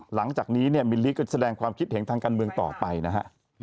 หลังจากนี้เนี่ยมิลลิก็แสดงความคิดเห็นทางการเมืองต่อไปนะฮะ